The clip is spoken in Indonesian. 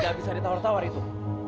gak bisa ditawar tawar itu